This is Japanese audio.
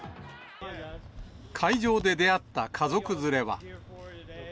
会場で出会った家族連れは。